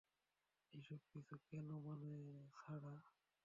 এই সব কিছু কোনো মানে ছাড়া?